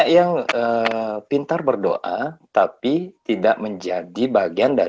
kan banyak yang